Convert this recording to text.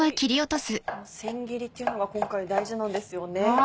せん切りっていうのが今回大事なんですよね。